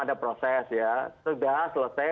ada proses ya sudah selesai